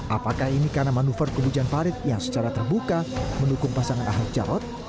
apakah ini karena manuver kebujan parit yang secara terbuka mendukung pasangan ahad jawat